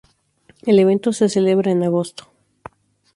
El evento se celebra en agosto.